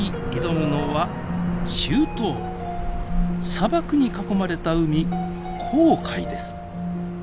砂漠に囲まれた海紅海です。